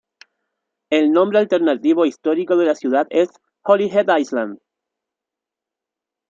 El nombre alternativo e histórico de la ciudad es Holyhead Island.